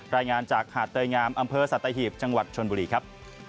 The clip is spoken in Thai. รายงานจากหาดเตยงามอำเภอสัตหีบจังหวัดชนบุรีครับ